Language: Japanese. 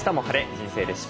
人生レシピ」。